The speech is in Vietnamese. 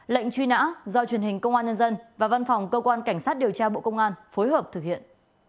lệnh truy nã do truyền hình công an nhân dân và văn phòng cơ quan cảnh sát điều tra bộ công an phối hợp thực hiện